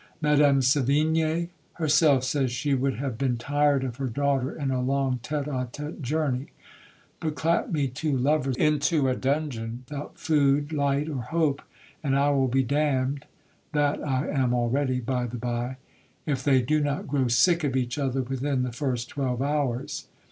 Madame Sevignè herself says she would have been tired of her daughter in a long tete a tete journey, but clap me two lovers into a dungeon, without food, light, or hope, and I will be damned (that I am already, by the bye) if they do not grow sick of each other within the first twelve hours.